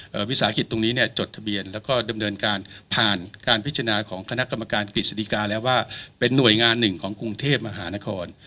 วิสาหกิจตรงนี้เนี่ยจดทะเบียนแล้วก็ดำเนินการผ่านการพิจารณาของคณะกรรมการกฤษฎิกาแล้วว่าเป็นหน่วยงานหนึ่งของกรุงเทพมหานคร